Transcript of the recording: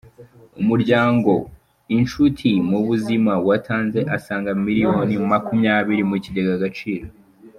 Umuryango “Inshuti mu buzima” watanze asaga miliyoni makumyabiri mu kigega Agaciro